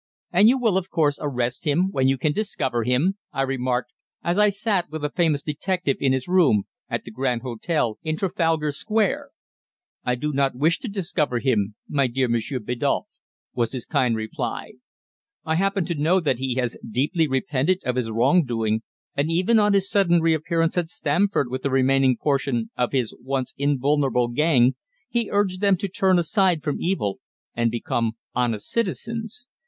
"And you will, of course, arrest him when you can discover him," I remarked, as I sat with the famous detective in his room at the Grand Hotel in Trafalgar Square. "I do not wish to discover him, my dear Monsieur Biddulph," was his kind reply. "I happen to know that he has deeply repented of his wrongdoing, and even on his sudden reappearance at Stamford with the remaining portion of his once invulnerable gang, he urged them to turn aside from evil, and become honest citizens.